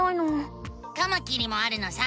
カマキリもあるのさ！